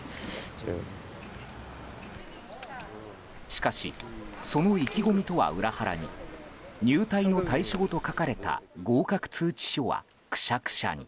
しかしその意気込みとは裏腹に「入隊の対象」と書かれた合格通知書はクシャクシャに。